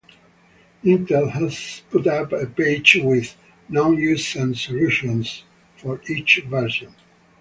Intel has put up a page with 'Known Issues and Solutions' for each version.